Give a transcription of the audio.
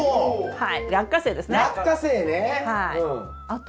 はい。